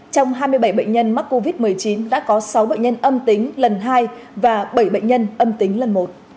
trong hai mươi bảy bệnh nhân mắc covid một mươi chín đã có sáu bệnh nhân âm tính lần hai và bảy bệnh nhân âm tính lần một